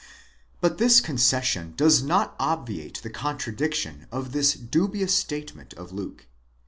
But this concession does not obviate the contradiction in this dubious statement of Luke.